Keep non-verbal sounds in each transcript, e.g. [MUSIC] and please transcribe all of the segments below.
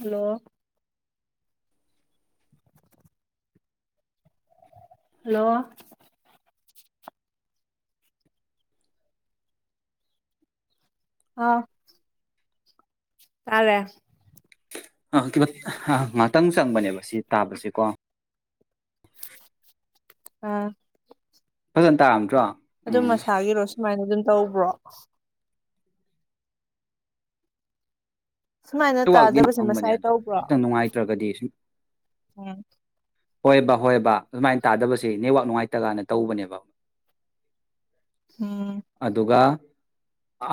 hello hello ꯑꯥ ꯥꯥꯇꯥꯜꯂꯦ ꯑ ꯉꯍꯥꯛꯇꯪ ꯆꯪꯕꯅꯦꯕ ꯁꯤ ꯇꯥꯕꯁꯦꯀꯣ ꯑꯥ ꯐꯖꯅ ꯇꯥꯔꯝꯗ꯭ꯔꯣ ꯑꯗꯨꯝ ꯎꯝ ꯃꯁꯥꯒꯤꯔꯣ ꯁꯨꯃꯥꯏꯅ ꯑꯗꯨꯝ ꯇꯧꯕ꯭ꯔꯣ ꯁꯨꯃꯥꯏꯅ [UNINTELLIGIBLE] ꯇꯥꯗꯕꯁꯦ ꯐꯪꯕꯅꯦ ꯃꯁꯥꯏ ꯑꯗꯣ ꯇꯧꯕ꯭ꯔꯣ ꯈꯤꯇꯪ ꯅꯨꯡꯉꯥꯏꯇ꯭ꯔꯒꯗꯤ [INAUDIBLE] ꯎꯝ ꯍꯣꯏꯕ ꯍꯣꯏꯕ ꯗꯨꯃꯥꯏꯅ ꯇꯥꯗꯕꯁꯦ ꯅꯦꯠꯋꯥꯛ ꯅꯨꯡꯉꯥꯏꯇ ꯀꯥꯟ ꯇꯧꯕꯅꯦꯕ ꯎꯝ ꯑꯗꯨꯒ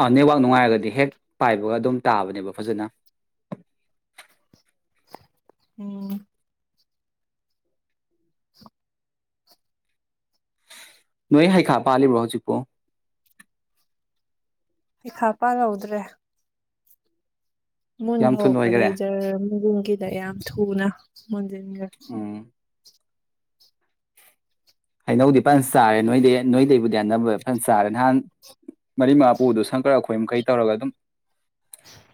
ꯑ ꯅꯦꯠꯋꯥꯛ ꯅꯨꯡꯉꯥꯏꯔꯒꯗꯤ ꯍꯦꯛ ꯄꯥꯏꯕꯒ ꯑꯗꯨꯝ ꯇꯥꯕꯅꯦꯕ ꯐꯖꯅ ꯎꯝ ꯅꯣꯏ ꯍꯩꯈꯥ ꯄꯥꯜꯂꯤꯕ꯭ꯔꯣ ꯍꯧꯖꯤꯛꯄꯣ ꯍꯩꯈꯥ ꯄꯥꯜ ꯍꯧꯗ꯭ꯔꯦ ꯃꯨꯟ ꯌꯥꯝ ꯊꯨ ꯂꯣꯏꯈꯔꯦ ꯍꯧꯔꯛꯄꯗꯒꯤ ꯖꯔ ꯒꯤꯗ ꯌꯥꯝ ꯊꯨꯅ ꯃꯨꯖꯟꯒꯔꯦ ꯎꯝ ꯍꯩꯅꯧꯗꯤ ꯐꯟ ꯆꯥꯔꯦ ꯅꯣꯏꯗꯤ ꯅꯣꯏꯗꯩꯕꯨꯗꯤ ꯑꯅꯝꯕ ꯐꯖꯅ ꯆꯥꯔꯦ ꯅꯍꯥꯟ ꯃꯔꯤ ꯃꯉꯥꯄꯨꯗꯣ ꯁꯪꯀꯔ ꯑꯩꯈꯣꯏ ꯈꯩ ꯇꯧꯔꯒ ꯑꯗꯨꯝ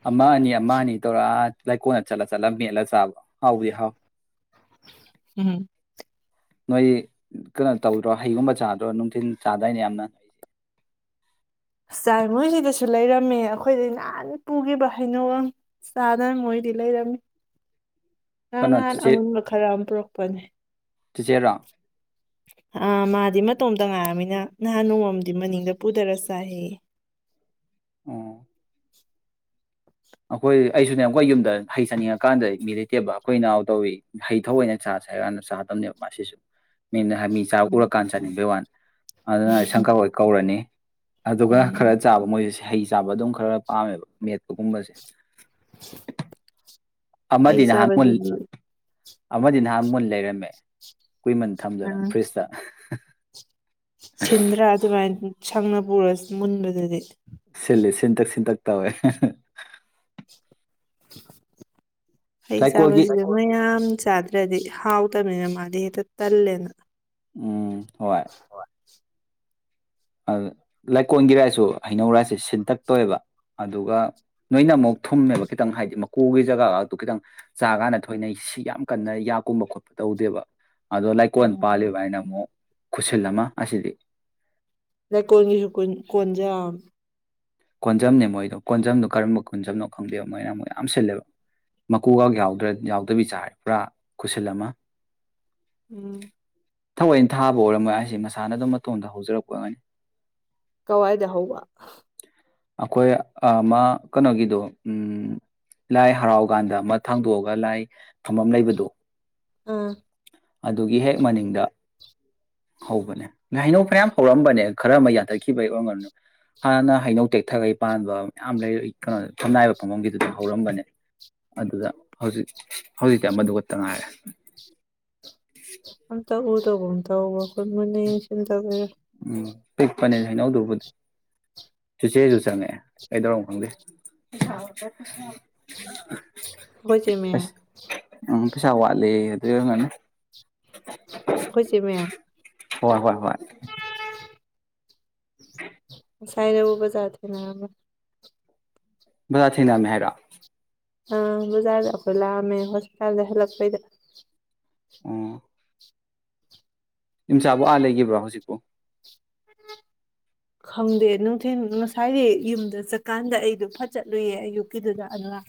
ꯑꯃ ꯑꯅꯤ ꯑꯃ ꯑꯅꯤ ꯇꯧꯔ ꯂꯥꯏ ꯀꯣꯟꯅ ꯆꯠꯂ ꯆꯠꯂ ꯃꯦꯠꯂ ꯆꯥꯕ ꯍꯥꯎꯕꯨꯗꯤ ꯍꯥꯎꯏ ꯎꯝ ꯍꯨ ꯅꯣꯏ ꯀꯩꯅꯣ ꯇꯧꯗ꯭ꯔꯣ ꯍꯩꯒꯨꯝꯕ ꯆꯥꯗ꯭ꯔꯣ ꯅꯨꯡꯊꯤꯜ ꯆꯥꯗꯥꯏꯅꯦ ꯌꯥꯝꯅ ꯆꯥꯏ ꯃꯣꯏꯁꯤꯗꯁꯨ ꯂꯩꯔꯝꯃꯤ ꯑꯩꯈꯣꯏꯗ ꯅꯍꯥꯟꯅ ꯄꯨꯈꯤꯕ ꯍꯩꯅ ꯆꯥꯗꯅ ꯃꯣꯏꯗꯤ ꯂꯩꯔꯝꯃꯤ ꯉꯔꯥꯡ ꯀꯩꯅꯣ ꯅꯍꯥꯟ ꯑꯃꯨꯟꯕ ꯈꯔ ꯑꯃ ꯄꯨꯔꯛꯄꯅꯦ ꯆꯤ ꯆꯦꯔꯣ ꯑ ꯃꯥꯗꯤ ꯃꯇꯣꯝꯇ ꯉꯥꯏꯔꯕꯝꯃꯤꯅ ꯅꯍꯥꯟ ꯅꯣꯡꯃ ꯑꯝꯗꯤ ꯃꯅꯤꯡꯗ ꯄꯨꯊꯔꯥ ꯆꯥꯏꯌꯦ ꯎꯝ ꯑꯩꯈꯣꯏ ꯑꯩꯁꯨꯅꯦ ꯑꯩꯈꯣꯏ ꯌꯨꯝꯗ ꯍꯩ ꯆꯥꯅꯤꯡꯉ ꯀꯥꯟꯗ ꯃꯤ ꯂꯩꯇꯦꯕ ꯑꯩꯈꯣꯏ ꯅꯥꯎ ꯇꯧꯋꯤ ꯍꯩ ꯊꯧ ꯑꯣꯏꯅ ꯆꯥꯁꯦ ꯍꯥꯏꯔ ꯀꯥꯟꯗ ꯆꯥꯗꯕꯅꯦꯕ ꯃꯁꯤꯁꯨ ꯃꯤꯅ ꯅꯍꯥꯟ ꯃꯤ ꯆꯥꯕ ꯎꯝ ꯎꯔꯀꯥꯟ ꯆꯥꯅꯤꯡꯕꯩ ꯋꯥꯅꯤ ꯑꯗꯨꯅ ꯑꯩ ꯁꯝ ꯀꯛꯑꯣꯏ ꯀꯛꯎꯔꯅꯤ ꯑꯗꯨꯒ ꯈꯔ ꯎꯝ ꯆꯥꯕ ꯃꯣꯏꯁꯤꯁꯦ ꯍꯩ ꯆꯥꯕ ꯑꯗꯨꯝ ꯈꯔ ꯄꯥꯝꯃꯦꯕ ꯃꯦꯠꯄꯒꯨꯝꯕꯁꯦ [INAUDIBLE] [INAUDIBLE] ꯍꯩ ꯑꯃꯗꯤꯅꯍꯜ ꯃꯨꯜ ꯆꯥꯕꯖꯤꯗꯤ ꯑꯃꯗꯤ ꯅꯍꯥꯟ ꯃꯨꯟ ꯂꯩꯔꯝꯃꯦ ꯀꯨꯏꯃꯟ ꯑ ꯊꯝꯗꯅ ꯐ꯭ꯔꯤꯖꯇ ꯁꯤꯟꯗ꯭ꯔꯥ ꯑꯗꯨꯃꯥꯏꯟ ꯐꯪꯑꯕꯣꯁ ꯃꯨꯟꯕꯗꯨꯗꯤ ꯁꯤꯜꯂꯤ ꯁꯤꯟꯇꯛ ꯁꯤꯟꯇꯛ ꯇꯧꯋꯦ ꯍꯦꯍꯦ [INAUDIBLE] ꯍꯩ ꯂꯩꯀꯣꯜꯒꯤ ꯆꯥꯕꯁꯤꯗ ꯃꯌꯥꯝ ꯆꯥꯗ꯭ꯔꯗꯤ ꯍꯥꯎ [UNINTELLIGIBLE] ꯃꯥꯗꯤ ꯍꯦꯛꯇ ꯇꯂꯦꯕ ꯎꯝ ꯍꯣꯏ ꯂꯩꯀꯣꯟꯜꯒꯤꯔꯥꯏꯁꯨ ꯍꯩꯅꯧ ꯔꯥꯏꯁꯦ ꯁꯤꯟꯇꯛꯇꯣꯏꯑꯕ ꯑꯗꯨꯒ ꯅꯣꯏꯅ ꯑꯃꯨꯛ ꯊꯨꯝꯃꯦꯕ ꯈꯤꯇꯪ ꯍꯥꯏꯗꯤ ꯃꯀꯨꯒꯤ ꯖꯒꯥꯇꯣ ꯈꯤꯇꯪ ꯆꯥ ꯀꯥꯟꯗ ꯊꯣꯏꯅ ꯁꯤ ꯌꯥꯝ ꯀꯟꯅ ꯌꯥꯛꯀꯨꯝꯕ ꯈꯣꯠꯄ ꯇꯧꯗꯦꯕ ꯑꯗꯣ ꯂꯩꯀꯣꯟꯜ ꯎꯝ ꯄꯥꯜꯂꯤꯕ ꯑꯩꯅ ꯑꯃꯨꯛ ꯈꯨꯁꯤꯜ ꯑꯃ ꯑꯁꯤꯗꯤ ꯂꯩꯀꯣꯟꯜꯒꯤꯁꯨ ꯀꯣꯟꯁꯦ ꯌꯥꯝ ꯀꯣꯟꯖꯝꯅꯦ ꯃꯣꯏꯗꯣ ꯀꯣꯟꯖꯝꯗꯣ ꯀꯔꯝꯕ ꯀꯣꯟꯖꯝꯅꯣ ꯈꯪꯗꯦꯕ ꯃꯣꯏꯅ ꯃꯣꯏ ꯌꯥꯝ ꯁꯤꯜꯂꯦꯕ ꯃꯀꯨꯒ ꯌꯥꯎꯗꯕꯤ ꯆꯥꯔꯦ ꯄꯨꯔꯥ ꯈꯨꯁꯤꯜ ꯑꯃ ꯎꯝ ꯊꯑꯣꯏꯅ ꯊꯥꯕ ꯑꯣꯏꯔꯝꯃꯣꯏ ꯍꯥꯏꯁꯦ ꯃꯁꯥꯅ ꯑꯗꯨꯝ ꯃꯇꯣꯟꯝꯗ ꯍꯧꯖꯔꯛꯄ ꯑꯣꯏꯒꯅꯤ ꯀꯋꯥꯏꯗ ꯍꯋꯥ ꯑꯩꯈꯣꯏ ꯑ ꯃꯥ ꯀꯩꯅꯣꯒꯤꯗꯣ ꯎꯝ ꯂꯥꯏ ꯍꯔꯥꯎ ꯀꯥꯟꯗ ꯑꯝ ꯊꯥꯡꯗꯣꯛꯑꯒ ꯂꯥꯏ ꯐꯝꯐꯝ ꯂꯩꯕꯗꯣ ꯑꯝ ꯑꯗꯨꯒꯤ ꯍꯦꯛ ꯃꯅꯤꯡꯗ ꯍꯧꯕꯅꯦ ꯂ ꯍꯩꯅꯧ ꯐꯌꯥꯝ ꯍꯧꯔꯝꯕꯅꯦ ꯈꯔ ꯑꯃ ꯌꯥꯊꯠꯈꯤꯕꯒꯤ ꯑꯣꯏꯔꯝ ꯍꯥꯟꯅ ꯍꯩꯅꯧ ꯇꯦꯛ ꯊꯥꯒꯩ ꯄꯥꯟꯕ ꯃꯌꯥꯝ ꯂꯩ ꯀꯩꯅꯣ ꯊꯝꯅꯥꯏꯕ ꯐꯝꯐꯝꯒꯤꯗꯨꯗ ꯍꯧꯔꯝꯕꯅꯦ ꯑꯗꯨꯗ ꯍꯧꯖꯤꯛ ꯍꯧꯖꯤꯛꯇꯤ ꯑꯃꯗꯨ ꯈꯛꯇ ꯉꯥꯏꯔꯦ ꯑꯝꯇ ꯎꯗꯒꯨꯃ ꯇꯧꯋꯣ ꯃꯨꯟꯅ ꯌꯦꯡꯁꯤꯟꯗꯕꯅꯦ ꯎꯝ ꯄꯤꯛꯄꯅꯦ ꯍꯥꯏꯩꯅꯧꯗꯨꯕꯨꯗꯤ ꯆꯤꯆꯦꯁꯨ ꯆꯪꯉꯛꯑꯦ ꯀꯩꯗꯧꯔꯅꯣ ꯈꯪꯗꯦ ꯈꯣꯏ ꯆꯦꯃꯦ ꯑꯁ ꯎꯝ ꯄꯩꯁꯥ ꯋꯥꯠꯂꯦꯌꯦ ꯗꯨꯏ ꯑꯣꯏꯔꯝꯒꯅꯤ ꯑꯩꯈꯣꯏ ꯆꯦꯃꯦ ꯍꯣꯏ ꯍꯣꯏ ꯍꯣꯏ [UNINTELLIGIBLE] [INAUDIBLE] ꯁꯥꯏꯔꯧ ꯎꯕꯖꯥꯠꯅꯤ ꯅꯥꯕ ꯅꯣꯢ ꯗꯥ ꯊꯦꯡꯅꯔꯝꯃꯦ ꯍꯥꯢꯔꯣ ꯑꯥ ꯕꯖꯥꯔꯗ ꯑꯩꯈꯣꯏ ꯂꯥꯛꯑꯝꯃꯦ ꯍꯣꯁꯄꯤꯇꯥꯜꯗꯩ ꯍꯜꯂꯛꯄꯩꯗ ꯑꯝ ꯏꯝꯆꯥꯕꯨ ꯑꯥ ꯂꯩꯈꯤꯕ꯭ꯔꯣ ꯍꯧꯖꯤꯛꯄꯨ ꯈꯪꯗꯦ ꯅꯨꯡꯊꯤꯜ ꯉꯁꯥꯏꯗꯤ ꯌꯨꯝꯗ ꯆꯠꯀꯥꯟꯗ ꯑꯩꯗꯣ ꯐꯠ ꯆꯠꯂꯨꯏꯌꯦ ꯑꯌꯨꯛꯀꯤꯗꯨꯗ ꯑꯗꯨꯅ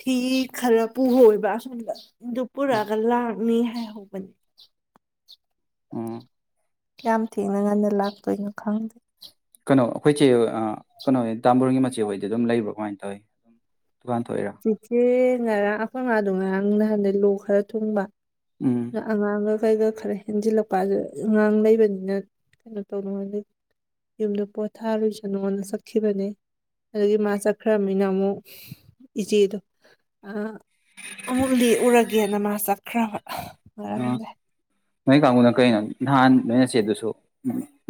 ꯐꯤ ꯈꯔ ꯄꯨꯑꯣꯢꯕ ꯑꯁꯣꯝꯗ ꯗꯨ ꯄꯨꯨꯔꯛꯑꯒꯥ ꯂꯥꯛ ꯃꯤ ꯍꯥꯏ ꯍꯧꯕꯅꯤ ꯑꯝ ꯀꯌꯥꯝ ꯊꯦꯡꯅ ꯉꯟꯅ ꯂꯥꯛꯇꯣꯏꯅꯣ ꯈꯪꯗꯦ ꯅꯣ ꯑꯩꯈꯣꯏꯆꯦ ꯍꯣꯢ ꯑꯥ ꯀꯩꯅꯣ ꯇꯥꯝꯕꯔꯣꯒꯤ ꯃꯆꯦ ꯑꯣꯏꯗꯤ ꯑꯗꯨꯝ ꯂꯩꯕ꯭ꯔꯣ ꯀꯃꯥꯏꯅ ꯇꯧꯋꯤ ꯗꯨꯀꯥꯟ ꯊꯣꯛꯏꯔꯥ ꯆꯦꯆꯦ ꯉꯥꯔꯥꯡ ꯑꯈꯣꯏ ꯃꯥꯗꯣ ꯉꯥꯔꯥꯡ ꯅꯍꯥꯟꯗꯩ ꯂꯣꯛ ꯈꯔ ꯊꯨꯡꯕ ꯎꯝ ꯑꯗꯨ ꯑꯉꯥꯡꯒ ꯈꯣꯏꯒ ꯈꯔ ꯍꯦꯟꯖꯤꯜꯂꯛꯄ ꯑꯗꯨꯗ ꯑꯉꯥꯡ ꯂꯩꯕꯅꯤꯅ ꯀꯩꯅꯣ ꯇꯧꯅꯉꯥꯢꯗꯩ ꯌꯨꯝꯗ ꯄꯣꯊꯥꯔꯨꯁꯅꯣꯅ ꯆꯠꯈꯤꯕꯅꯦ ꯑꯗꯨꯗꯒꯤ ꯃꯥ ꯆꯠꯈ꯭ꯔꯕꯅꯤꯅ ꯑꯃꯨꯛ ꯏꯆꯦꯗꯣ ꯑꯥ ꯑꯃꯨꯛ ꯂꯦꯛꯎꯔꯒꯦ ꯌꯦꯡꯉꯝ ꯃꯥ ꯆꯠꯈ꯭ꯔꯕ [INAUDIBLE] ꯑ ꯉꯥꯔꯥꯡꯗꯩ ꯅꯣꯏ ꯀꯥꯡꯕꯨꯅ ꯀꯩꯅꯣ ꯅꯍꯥꯟ ꯅꯣꯏꯅꯆꯦꯗꯨꯁꯨ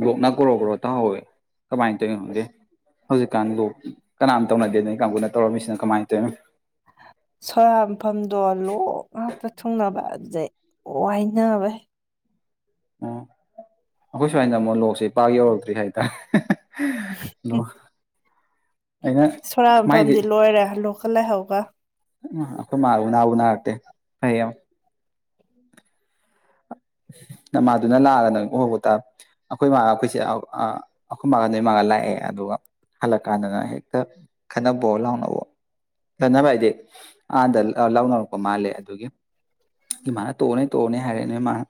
ꯂꯣꯛꯅ ꯒꯣꯔꯣ ꯒꯣꯔꯣ ꯇꯥꯍꯧꯋꯦ ꯀꯃꯥꯏꯅ ꯇꯧꯔꯤꯅꯣ ꯈꯪꯗꯦ ꯍꯧꯖꯤꯛꯀꯥꯟ ꯂꯣꯛ ꯀꯅꯥꯝ ꯇꯧꯅꯗꯦ ꯅꯣꯏ ꯀꯥꯡꯕꯨꯅ ꯇꯧꯔꯝꯃꯤꯁꯤꯅ ꯀꯃꯥꯏꯅ ꯇꯧꯋꯤꯅꯣ ꯁꯣꯔꯥꯠ ꯃꯐꯝꯗꯣ ꯂꯣꯛ ꯉꯥꯛꯇ ꯊꯨꯡꯅꯕ ꯑꯗꯨꯗꯩ ꯋꯥꯏꯅꯕꯩ ꯑꯣ ꯑꯩꯈꯣꯏ ꯁꯋꯥꯢꯁꯤꯅ ꯑꯃꯨꯛ ꯂꯣꯛꯁꯦ ꯄꯥꯛ ꯌꯧꯔꯛꯇ꯭ꯔꯤ ꯍꯥꯏꯇꯥꯔꯦ ꯍꯦꯍꯦ ꯍꯦ ꯂꯣ ꯁꯣꯔꯥꯠ ꯃꯐꯝꯗꯤ ꯂꯣꯏꯔꯦ ꯂꯣꯛꯀꯥ ꯂꯩꯍꯧꯕ ꯑꯩꯈꯣꯏ ꯃꯥ ꯑꯩꯈꯣꯢ ꯃꯥꯕꯨ ꯎꯅ ꯎꯅꯔꯛꯇꯦ ꯐꯩꯌꯝ ꯅꯃꯥꯗꯨꯅ ꯅꯥꯔꯅꯪ ꯀꯣꯛ ꯍꯧꯒꯠꯇ ꯑꯩꯈꯣꯏ ꯃꯥ ꯑꯩꯈꯣꯏꯁꯦ ꯑꯍꯥꯑꯥ ꯑꯩꯈꯣꯏ ꯃꯥꯒ ꯅꯣꯏ ꯃꯥꯥꯒ ꯂꯥꯛꯑꯦ ꯑꯗꯨꯒ ꯍꯜꯂꯛꯀꯥꯟꯗꯅ ꯍꯦꯛꯇ ꯈꯠꯅꯕꯣ ꯂꯥꯎꯅꯕꯣ ꯈꯠꯅꯕ ꯍꯥꯏꯗꯤ ꯑꯗ ꯂꯥꯎꯅꯔꯛꯄ ꯃꯥꯜꯂꯦ ꯑꯗꯨꯒꯤ ꯏꯃꯥꯅ ꯇꯣꯛꯑꯣꯅꯦ ꯇꯣꯛꯑꯣꯅꯦ ꯍꯥꯏꯔꯦ ꯅꯣꯏꯃꯅ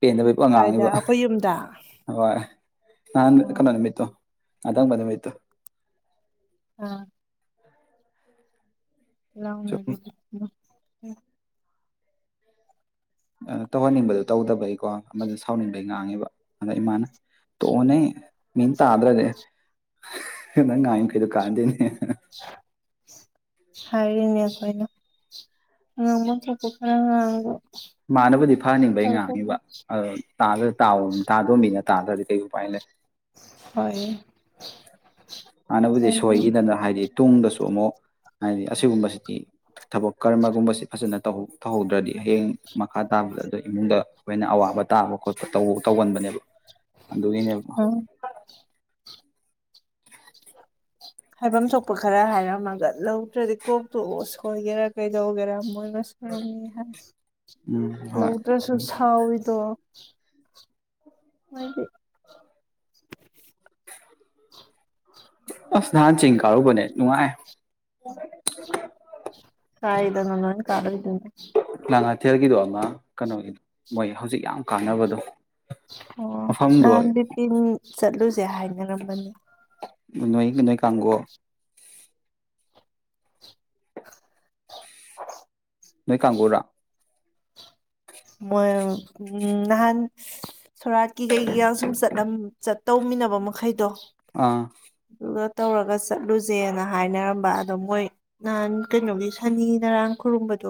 ꯄꯦꯟꯗꯕꯩ ꯀꯥꯏꯗ ꯄꯨꯉꯥꯡꯉꯥꯡꯉꯤꯕ ꯑꯩꯈꯣꯏ ꯌꯨꯝꯗ ꯍꯣꯏ ꯅꯍꯥꯟ ꯑꯣ ꯀꯩꯅꯣ ꯅꯨꯃꯤꯠꯇꯣ ꯉꯥꯊꯪꯕ ꯅꯨꯃꯤꯠꯇꯣ ꯑꯥ ꯁꯨꯝ ꯂꯥꯎꯅꯒꯤꯕꯗꯣ ꯎꯝ ꯑ ꯇꯧꯍꯟꯅꯤꯡꯕꯗꯣ ꯇꯧꯗꯕꯩꯀꯣ ꯑꯃꯗꯨ ꯁꯥꯎꯅꯤꯡꯕꯩ ꯉꯥꯡꯉꯦꯕ ꯑꯗ ꯏꯃꯥꯅ ꯇꯣꯛꯑꯣꯅꯦ ꯃꯤꯅ ꯇꯥꯗ꯭ꯔꯗꯤ ꯍꯥ ꯅꯪ ꯉꯥꯡꯉꯤꯗꯣ ꯀꯩꯗ ꯀꯥꯟꯅꯗꯦꯅꯦ ꯍꯥꯍꯥ ꯍꯥꯢꯔꯤꯅꯦ ꯑꯩꯈꯣꯢꯅ ꯉꯥꯡꯕꯝ ꯊꯣꯛꯄ ꯈꯔ ꯉꯥꯡꯕ ꯃꯥꯅꯕꯨꯗꯤ ꯐꯍꯟꯅꯤꯡꯕꯩ ꯑꯩꯅ ꯉꯥꯡꯉꯤꯕ ꯑꯥ ꯇꯥꯗ ꯇꯥꯎ ꯇꯥꯗꯣꯃꯤꯅ ꯇꯥꯗ꯭ꯔꯗꯤ ꯀꯩ ꯎꯄꯥꯏ ꯂꯩ ꯍꯣꯏꯌꯦ ꯍꯥꯟꯅꯕꯨꯗꯤ ꯁꯣꯏꯈꯤꯗꯅ ꯍꯥꯏꯗꯤ ꯇꯨꯡꯗꯁꯨ ꯑꯃꯨꯛ ꯍꯥꯏꯗꯤ ꯑꯁꯤꯒꯨꯝꯕꯁꯤꯗꯤ ꯊꯕꯛ ꯀꯔꯃꯒꯨꯝꯕꯁꯤ ꯐꯖꯅ ꯇꯧꯍꯧꯗ꯭ꯔꯗꯤ ꯍꯌꯦꯡ ꯃꯈꯥ ꯇꯥꯕꯗ ꯑꯗꯨꯏ ꯏꯃꯨꯡꯗ ꯑꯩꯈꯣꯏꯅ ꯑꯋꯥꯕ ꯇꯥꯕ ꯈꯣꯠꯄ ꯇꯧ ꯇꯧꯒꯟꯕꯅꯦꯕ ꯑꯗꯨꯒꯤꯅꯦꯕ ꯍꯥꯏꯕꯝ ꯊꯣꯛꯄ ꯈꯔ ꯍꯥꯏꯔꯝꯃꯒ ꯂꯧꯗ꯭ꯔꯗꯤ ꯀꯣꯛ ꯇꯣꯛꯑꯣ ꯁꯣꯏꯒꯦꯔꯥ ꯀꯩꯗꯧꯒꯦꯔꯥ ꯃꯣꯏ ꯁꯔꯝꯅꯤ ꯍꯥꯏ ꯎꯝ ꯍꯣꯏ ꯂꯧꯗ꯭ꯔꯁꯨ ꯁꯥꯎꯋꯤꯗꯣ [UNINTELLIGIBLE] [INAUDIBLE] ꯑꯁ ꯅꯍꯥꯟ ꯆꯤꯡ ꯀꯥꯔꯨꯕꯅꯦ ꯅꯨꯡꯉꯥꯏ [INAUDIBLE] ꯀꯥꯏꯗꯅ [UNINTELLIGIBLE] [UNINTELLIGIBLE] ꯀꯩꯊꯦꯜꯒꯤꯗꯣ ꯑꯃ ꯀꯅꯣꯒꯤꯗ ꯃꯣꯏ ꯍꯧꯖꯤꯛ ꯌꯥꯝ ꯀꯥꯟꯅꯕꯗꯣ ꯑꯣ ꯃꯐꯝꯗꯣ ꯅꯍꯥꯟ ꯕꯤꯄꯤꯟ ꯆꯠꯂꯨꯖꯦ ꯍꯥꯏꯅꯔꯝꯕꯅꯤ ꯅꯣꯏ ꯅꯣꯏ ꯀꯥꯡꯒꯨ [INAUDIBLE] ꯅꯣꯏ ꯀꯥꯡꯕꯨꯔꯥ ꯃꯣꯏ ꯎꯝ ꯅꯍꯥꯟ ꯁꯣꯔꯥꯠꯀꯤ ꯀꯩꯒꯤꯒ ꯁꯨꯝ ꯆꯠꯂꯝ ꯆꯠꯇꯧꯃꯤꯟꯅꯕ ꯃꯈꯩꯗꯣ ꯑꯥ ꯑꯗꯨꯒ ꯇꯧꯔꯒ ꯆꯠꯂꯨꯖꯦꯅ ꯍꯥꯏꯅꯔꯝꯕ ꯑꯗꯣ ꯃꯣꯏ ꯅꯍꯥꯟ ꯀꯩꯅꯣꯒꯤ ꯁꯅꯤ ꯅꯔꯥꯡ ꯈꯨꯔꯨꯝꯕꯗꯣ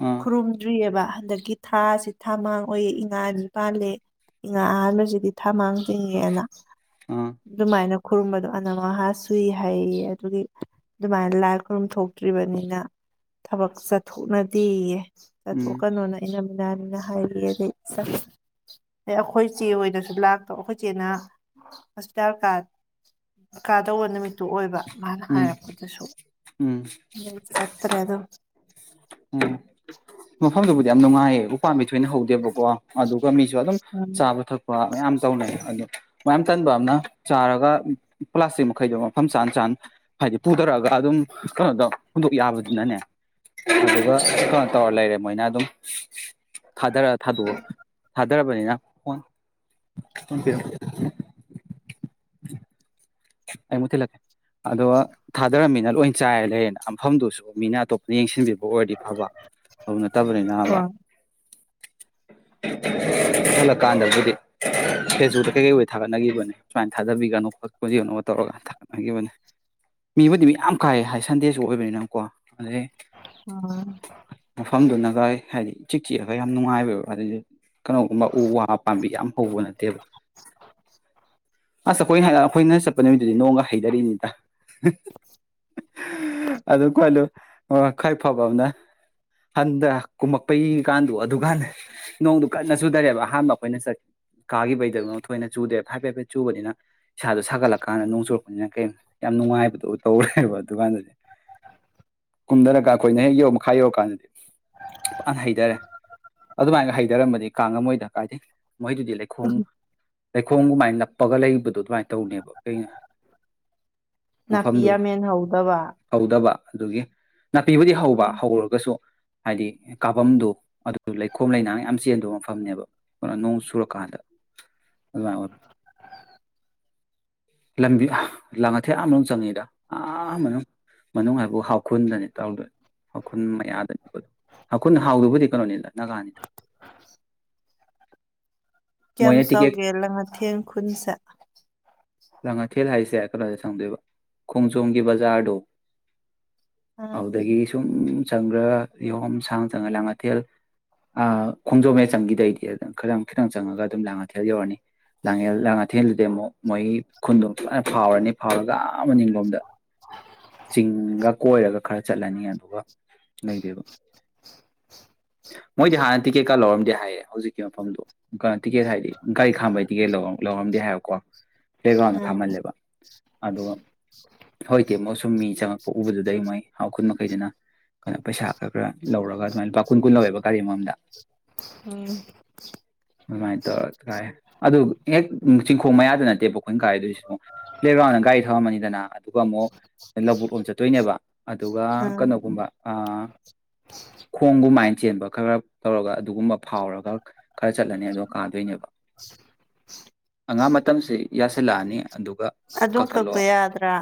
ꯑꯥ ꯈꯨꯔꯨꯝꯗ꯭ꯔꯤꯌꯦꯕ ꯍꯟꯗꯛꯀꯤ ꯊꯥꯁꯤ ꯊꯃꯥꯡ ꯑꯣꯏꯌꯦ ꯏꯉꯥ ꯑꯅꯤ ꯄꯥꯜꯂꯦ ꯏꯉꯥ ꯑꯍꯥꯟꯕꯁꯤꯗꯤ ꯊꯃꯥꯡ ꯆꯤꯡꯉꯦꯅ ꯑꯥ ꯗꯨꯃꯥꯏꯅ ꯈꯨꯔꯨꯝꯕꯗꯣ ꯑꯅꯝ ꯑꯍꯥ ꯆꯨꯏ ꯍꯥꯏꯌꯦꯌꯦ ꯑꯗꯨꯒꯤ ꯗꯨꯃꯥꯏꯅ ꯂꯥꯏ ꯈꯨꯔꯨꯝ ꯊꯣꯛꯇ꯭ꯔꯤꯕꯅꯤꯅ ꯊꯕꯛ ꯆꯠꯊꯣꯛꯅꯗꯦꯌꯦ ꯎꯝ ꯆꯠꯊꯣꯛꯀꯅꯣꯅ ꯏꯅꯝ ꯅꯍꯥꯟꯅ ꯍꯥꯏꯔꯤ ꯑꯗꯩ [INAUDIBLE] ꯑꯩꯈꯣꯏ ꯆꯦ ꯍꯣꯏꯗꯁꯨ ꯂꯥꯛꯇꯕ ꯑꯩꯈꯣꯏ ꯆꯦꯅ ꯍꯣꯁꯄꯤꯇꯥꯜ ꯀꯥ ꯀꯥꯗꯧꯕ ꯅꯨꯃꯤꯠꯇꯣ ꯑꯣꯏꯕ ꯃꯥꯅ ꯎꯝ ꯍꯥꯏꯔꯛ ꯈꯣꯏꯗꯁꯧ ꯎꯝ ꯅ ꯆꯠꯇ꯭ꯔꯦ ꯑꯗꯨꯝ ꯎꯝ ꯃꯐꯝꯗꯨꯕꯨꯗꯤ ꯌꯥꯝ ꯅꯨꯡꯉꯥꯏꯌꯦ ꯎꯄꯥꯝꯕꯤ ꯊꯣꯏꯅ ꯍꯧꯗꯦꯕꯀꯣ ꯑꯗꯨ ꯑꯗꯨꯒ ꯃꯤꯁꯨ ꯑꯗꯨꯝ ꯎꯝ ꯆꯥꯕ ꯊꯛꯄ ꯃꯌꯥꯝ ꯇꯧꯅꯩ ꯑꯗꯨ ꯃꯌꯥꯝ ꯇꯟꯕ ꯑꯃꯅ ꯆꯥꯔꯒ ꯄ꯭ꯂꯥꯁꯇꯤꯛ ꯃꯈꯩꯗꯣ ꯃꯐꯝ ꯆꯥꯅ ꯆꯥ ꯍꯥꯏꯗꯤ ꯄꯨꯗꯔꯛꯑꯒ ꯑꯗꯨꯝ ꯀꯩꯅꯣꯗꯣ ꯍꯨꯟꯗꯣꯛ ꯌꯥꯕꯗꯨꯅꯅꯦ [INAUDIBLE] ꯑꯗꯨꯗꯨꯒ ꯀꯩꯅꯣ ꯇꯧꯔ ꯂꯩꯔꯦ ꯃꯣꯏꯅ ꯑꯗꯨꯝ ꯊꯥꯗꯔ ꯊꯥꯗꯣꯛ ꯊꯥꯗꯔꯕꯅꯤꯅ ꯐꯣꯟ [INAUDIBLE] ꯑꯩ ꯃꯨꯛ ꯊꯤꯜꯂꯛ ꯑꯗꯣ ꯊꯥꯗꯔꯝꯃꯤꯅ ꯂꯣꯏ ꯆꯥꯏꯔ ꯂꯩꯔꯦꯅ ꯃꯐꯝꯗꯨꯁꯨ ꯃꯤꯅ ꯑꯇꯣꯞꯄꯅ ꯌꯦꯡꯁꯤꯟ ꯑꯣꯏꯔꯗꯤ ꯐꯕ ꯐꯪꯅꯠꯇꯕꯅꯤꯅꯕ ꯍꯜꯂꯛꯀꯥꯟꯗꯕꯨꯗꯤ ꯐꯦꯁꯕꯨꯛꯇ ꯀꯩꯀꯩ ꯑꯣꯏ ꯊꯥꯒꯠꯅꯒꯤꯕꯅꯦ ꯁꯨꯃꯥꯏꯅ ꯊꯥꯖꯕꯤꯒꯅꯣ ꯍꯧꯖꯤꯛꯅꯣꯒ ꯇꯧꯔꯒ ꯊꯥꯒꯠꯅꯒꯤꯕꯅꯦ ꯃꯤꯕꯨꯗꯤ ꯃꯤ ꯌꯥꯝ ꯀꯥꯏ ꯍꯥꯏ ꯁꯟꯗꯦꯁꯨ ꯑꯣꯏꯕꯅꯤꯅꯀꯣ ꯑꯗꯩ ꯎꯝ ꯃꯐꯝꯗꯨꯅꯒꯥꯏ ꯍꯥꯏꯗꯤ ꯆꯤꯛ ꯆꯤꯛꯑꯒ ꯌꯥꯝ ꯅꯨꯡꯉꯥꯏꯕ ꯋꯥꯔꯤꯖꯦ ꯀꯅꯣꯒꯨꯝꯕ ꯎ ꯋꯥ ꯄꯥꯥꯝꯕꯤ ꯌꯥꯝ ꯍꯧꯕ ꯅꯠꯇꯦꯕ ꯑꯁ ꯑꯩꯈꯣꯏ ꯍꯥꯏ ꯑꯩꯈꯣꯏꯅ ꯆꯠꯄ ꯅꯨꯃꯤꯠꯇꯨꯗꯤ ꯅꯣꯡꯒ ꯍꯩꯊꯔꯤꯅꯤꯗ ꯑꯗꯨ ꯀꯟꯗꯨ ꯈꯔ ꯐꯕ ꯑꯃꯅ ꯍꯟꯗ ꯀꯨꯝꯃꯛꯄꯩ ꯀꯥꯟꯗꯣ ꯑꯗꯨꯀꯥꯟꯗ ꯅꯣꯡꯗꯨ ꯀꯟꯅ ꯆꯨꯗꯔꯦꯕ ꯑꯍꯥꯟꯕ ꯑꯩꯈꯣꯏꯅ ꯀꯥꯒꯤꯈꯤꯕꯩꯗꯅ ꯊꯣꯏꯅ ꯆꯨꯗꯦꯕ ꯍꯥꯏꯐꯦꯠ ꯍꯥꯏꯐꯦꯠ ꯆꯨꯕꯅꯤꯅ ꯏꯁꯥ ꯁꯥꯒꯠꯂ ꯀꯥꯟꯗ ꯅꯣꯡ ꯆꯨꯔꯛꯄꯅꯤꯅ ꯀꯩꯅꯣ ꯌꯥꯝ ꯅꯨꯡꯉꯥꯏꯕꯗꯣ ꯇꯧꯋꯦꯕ ꯑꯗꯨꯀꯥꯟꯗꯗꯤ ꯀꯨꯝꯊꯔꯒ ꯑꯩꯈꯣꯏꯅ ꯍꯦꯛ ꯌꯧ ꯃꯈꯥ ꯌꯧꯔꯀꯥꯟꯗꯗꯤ ꯀꯟꯅ ꯍꯩꯊꯔꯦ ꯑꯗꯨꯃꯥꯏꯅꯒ ꯍꯩꯊꯔꯃꯗꯤ ꯀꯥ ꯉꯝꯃꯣꯏꯗ ꯀꯥꯏꯗꯩ ꯃꯣꯏꯗꯨꯗꯤ ꯂꯩ ꯈꯣꯝ ꯂꯩꯈꯣꯝ ꯒꯨꯃꯥꯏ ꯅꯞ ꯄꯒ ꯂꯩꯕꯗꯣ ꯑꯗꯨꯃꯥꯏꯅ ꯇꯧꯅꯦꯕ ꯑꯩꯅ ꯅꯥꯄꯤ ꯃꯐꯝꯗꯨ ꯌꯥꯝ ꯃꯦꯟꯍꯧꯗꯕ ꯇꯧꯗꯕ ꯑꯗꯨꯒꯤ ꯅꯥꯄꯤꯕꯨꯗꯤ ꯍꯧꯕ ꯍꯧꯔꯔꯒꯁꯨ ꯍꯥꯏꯗꯤ ꯀꯥꯐꯝꯗꯣ ꯑꯗꯨ ꯂꯩꯈꯣꯝ ꯂꯩꯅꯥꯡ ꯌꯥꯝ ꯆꯦꯟꯕ ꯃꯐꯝꯅꯦꯕ ꯅꯣꯡ ꯁꯨꯔꯀꯥꯟꯗ ꯑꯗꯨꯃꯥꯏꯅ ꯑꯣꯏꯕ ꯂꯝꯕꯤ ꯂꯥꯡꯉꯥꯊꯦꯜ ꯑꯥ ꯃꯅꯨꯡ ꯆꯪꯉꯤꯗ ꯑꯥ ꯃꯅꯨꯡ ꯃꯅꯨꯡ ꯍꯥꯏꯕꯨ ꯍꯥꯎ ꯈꯨꯜꯗꯅꯤ ꯇꯧ ꯗꯣꯏ ꯍꯥꯎꯈꯨꯜ ꯃꯌꯥꯗꯅꯤ ꯍꯥꯎꯈꯨꯟ ꯍꯥꯎꯗꯨꯕꯨꯗꯤ ꯀꯩꯅꯣꯅꯤꯗ ꯅꯥꯒꯥꯅꯤꯗ ꯀꯌꯥꯝ ꯃꯣꯏꯅ ꯇꯤꯀꯦꯠ ꯆꯥꯎꯒꯦ ꯂꯥꯡꯉꯊꯦꯜ [UNINTELLIGIBLE] ꯂꯥꯡꯉꯥꯊꯦꯜ ꯍꯥꯏꯁꯦ ꯀꯩꯅꯣꯗꯒꯤ ꯆꯪꯗꯣꯏꯕ ꯈꯣꯡꯖꯣꯝꯒꯤ ꯕꯖꯥꯔꯗꯣ ꯎꯝ ꯑꯗꯨꯗꯒꯤ ꯁꯨꯝ ꯆꯪꯈ꯭ꯔ ꯌꯥꯝ ꯁꯥꯡ ꯆꯪꯉꯥꯒ ꯂꯥꯡ ꯑꯥꯊꯦꯜ ꯑꯥ ꯈꯣꯡꯖꯣꯝ ꯍꯦꯛ ꯆꯪꯈꯤꯗꯩꯗꯤ ꯑꯗꯨꯝ ꯈꯤꯇꯪ ꯈꯤꯇꯪ ꯆꯪꯉꯒ ꯑꯗꯨꯝ ꯂꯥꯡꯉꯥꯊꯦꯜ ꯌꯧꯔꯅꯤ ꯂꯥꯡ ꯂꯥꯡ ꯑꯥꯊꯦꯜꯗꯨꯗꯤ ꯑꯃꯨꯛ ꯃꯣꯏꯒꯤ ꯈꯨꯟꯗꯣ ꯐꯖꯅ ꯐꯥꯎꯔꯅꯤ ꯐꯥꯎꯔꯒ ꯑ ꯃꯅꯤꯡꯂꯣꯝꯗ ꯆꯤꯡꯒ ꯀꯣꯏꯔꯒ ꯈꯔ ꯆꯠꯂꯅꯤ ꯑꯗꯨꯒ ꯂꯩꯗꯣꯏꯕ ꯃꯣꯏꯗꯤ ꯍꯥꯟꯅ ꯇꯤꯛꯀꯦꯠꯀ ꯂꯧꯔꯝꯗꯦ ꯍꯥꯏꯌꯦ ꯍꯧꯖꯤꯛꯀꯤ ꯃꯐꯝꯗꯣ ꯇꯤꯀꯦꯠ ꯍꯥꯏꯗꯤ ꯒꯥꯔꯤ ꯈꯥꯝꯕꯒꯤ ꯇꯤꯀꯦꯠ ꯂꯣ ꯂꯧꯔꯝꯗꯦ ꯍꯥꯏꯌꯣꯀꯣ ꯄ꯭ꯂꯦ ꯒ꯭ꯔꯥꯎꯟꯗ ꯎꯝ ꯐꯝꯍꯜꯂꯦꯕ ꯑꯗꯨꯒ ꯍꯧꯖꯤꯛꯇꯤ ꯑꯃꯨꯛ ꯁꯨꯝ ꯃꯤ ꯆꯪꯉꯛꯄ ꯎꯕꯗꯨꯗꯩ ꯃꯣꯏ ꯈꯨꯨꯟ ꯃꯈꯩꯗꯨꯅ ꯀꯩꯅꯣ ꯄꯩꯁꯥ ꯈꯔ ꯈꯔ ꯂꯧꯔꯒ ꯑꯗꯨꯃꯥꯏꯅ ꯂꯨꯄꯥ ꯀꯨꯟ ꯀꯨꯟ ꯂꯧꯋꯦꯕ ꯒꯥꯔꯤ ꯑꯃꯃꯝꯗ ꯎꯝ ꯑꯗꯨꯃꯥꯏꯅ ꯇꯧꯔꯥꯏ ꯑꯗꯨ ꯍꯦꯛ ꯆꯤꯡꯈꯣꯡ ꯃꯌꯥꯗꯨ ꯅꯠꯇꯦꯕ ꯑꯩꯈꯣꯏꯅ ꯀꯥꯏꯗꯣꯏꯁꯤ ꯑꯃꯨꯛ ꯄ꯭ꯂꯦꯒ꯭ꯔꯥꯎꯟꯗ ꯒꯥꯔꯤ ꯊꯝꯃꯅꯤꯗꯅ ꯑꯗꯨꯒ ꯑꯃꯨꯛ ꯂꯧꯕꯨꯛ ꯂꯣꯝ ꯆꯠꯇꯣꯏꯅꯦꯕ ꯑꯗꯨꯒ ꯎꯝ ꯀꯩꯅꯣꯒꯨꯝꯕ ꯑꯥ ꯈꯣꯡꯒꯨꯃꯥꯏꯅ ꯆꯦꯟꯕ ꯈꯔ ꯇꯧꯔꯒ ꯑꯗꯨꯒꯨꯝꯕ ꯐꯥꯎꯔꯒ ꯈꯔ ꯆꯠꯂꯅꯤ ꯑꯗꯣ ꯀꯥꯗꯣꯏꯅꯦꯕ ꯑꯉꯥꯡ ꯃꯇꯝꯁꯤ ꯌꯥꯁꯦ ꯂꯥꯛꯑꯅꯤ ꯑꯗꯨ ꯑꯗꯨꯝ ꯀꯛꯄ ꯌꯥꯗ꯭ꯔꯥ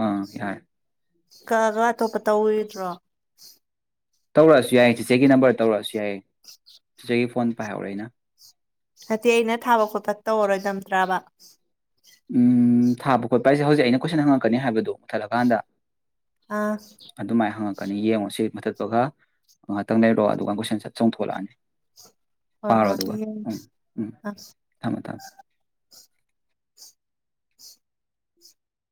ꯑꯥ ꯌꯥꯔꯦ ꯀꯛꯑꯒ ꯑꯇꯣꯞꯄ ꯇꯧꯔꯤꯗ꯭ꯔꯣ ꯇꯧꯔꯛꯑꯁꯨ ꯌꯥꯏꯌꯦ ꯆꯤꯆꯦꯒꯤ ꯅꯝꯕꯔ ꯇꯧꯔꯛꯑꯁꯨ ꯌꯥꯏꯌꯦ ꯆꯤꯆꯦꯒꯤ ꯐꯣꯟ ꯄꯥꯏꯍꯧꯔꯦ ꯑꯩꯅ ꯅꯠꯇꯦ ꯑꯩꯅ ꯊꯥꯕ ꯈꯣꯠꯄ ꯇꯧꯔꯔꯣꯏꯗꯝꯇ꯭ꯔꯕ ꯎꯝ ꯊꯥꯕ ꯈꯣꯠꯄ ꯍꯥꯏꯁꯦ ꯍꯧꯖꯤꯛ ꯑꯩꯅ ꯀꯣꯏꯁꯟ ꯍꯪꯉꯛꯀꯅꯤ ꯍꯥꯏꯕꯗꯣ ꯃꯨꯊꯠꯂꯀꯥꯟꯗ ꯑꯥ ꯀꯅꯤ ꯌꯦꯡꯉꯣꯁꯤ ꯃꯊꯛꯄꯒ ꯉꯥꯍꯥꯛꯇꯪ ꯂꯩꯔꯣ ꯑꯗꯨꯒ ꯀꯣꯏꯁꯟ ꯁꯠ ꯆꯣꯡꯊꯣꯂꯛꯑꯅꯤ ꯍꯣꯏ ꯄꯥꯔꯣ ꯍꯣꯏ ꯑꯗꯨꯒ ꯎꯝ ꯎꯝ ꯑ ꯊꯝꯃꯦ ꯊꯝꯃꯦ